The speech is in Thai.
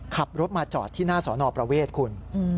ขับรถมาจอดที่หน้าสอนอประเวทคุณ